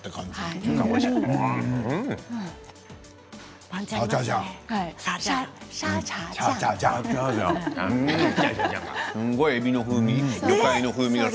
すごい、えびの風味。